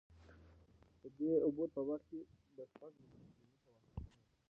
د دې عبور په وخت کې به شپږ میلیونه کیلومتره واټن شتون ولري.